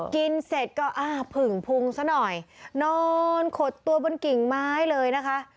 กินเสร็จก็อ้าผึ่งพุงซะหน่อยนอนขดตัวบนกิ่งไม้เลยนะคะ